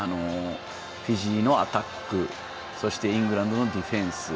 フィジーのアタック、そしてイングランドのディフェンス。